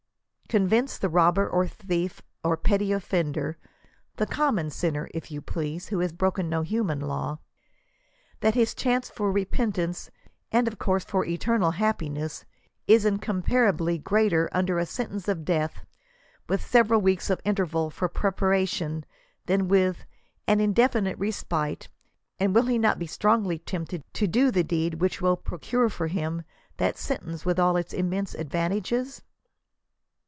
Convince the robber or thief or petty ofifender— the common sinner, if you please, who has broken no human law, — ^that his chance for repentance, and of course for eternal happiness, is " incom parably" greater under a sentence of death, with several weeks of interval for preparation, than with *' an indefinite respite," and will he not be strongly tempted to do the deed which will procure for him that sentence with, all its immense advan tages